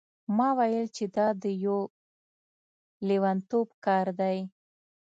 ما وویل چې دا د یو لیونتوب کار دی.